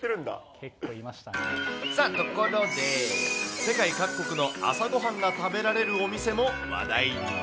さあ、ところで、世界各国の朝ごはんが食べられるお店も話題に。